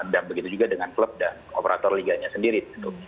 dan begitu juga dengan klub dan operator liganya sendiri